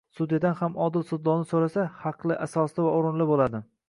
Sudyadan ham odil sudlovni soʻrasa, haqli, asosli va oʻrinli boʻladi.